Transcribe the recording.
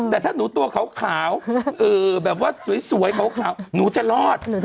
แต่ถ้าหนูตัวขาวแบบว่าสวยขาวหนูจะรอด